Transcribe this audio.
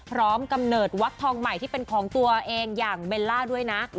กำเนิดวักทองใหม่ที่เป็นของตัวเองอย่างเบลล่าด้วยนะ